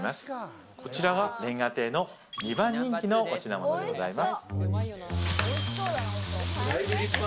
こちらは煉瓦亭の２番人気のお品物でございます。